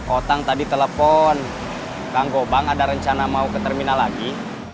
otang tadi telepon kang gobang ada rencana mau ke terminal lagi